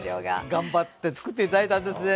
頑張って作っていただいたんですね。